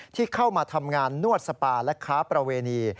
ที่เข้ามาทำงานนวดสปาและค้าประเวณี